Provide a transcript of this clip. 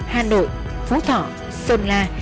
hà nội phú thỏ sơn la